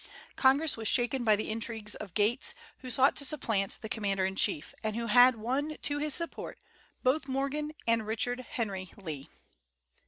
Congress was shaken by the intrigues of Gates, who sought to supplant the commander in chief, and who had won to his support both Morgan and Richard Henry Lee.